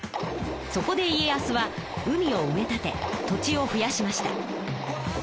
そこで家康は海を埋め立て土地を増やしました。